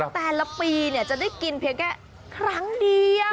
แต่ละปีจะได้กินเพียงแค่ครั้งเดียว